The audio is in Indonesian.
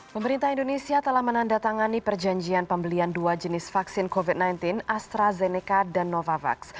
pemerintah indonesia telah menandatangani perjanjian pembelian dua jenis vaksin covid sembilan belas astrazeneca dan novavax